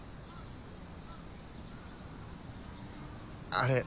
あれ？